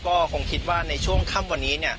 ก็คงคิดว่าในช่วงค่ำวันนี้